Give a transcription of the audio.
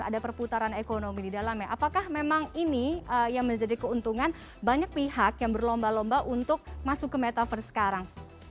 ada perputaran ekonomi di dalamnya apakah memang ini yang menjadi keuntungan banyak pihak yang berlomba lomba untuk masuk ke metaverse sekarang